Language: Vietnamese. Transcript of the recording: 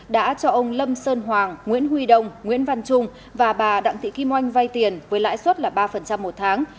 đã cho ông lâm sơn hoàng nguyễn huy đông nguyễn văn trung và bà đặng thị kim oanh vay tiền với lãi suất ba một tháng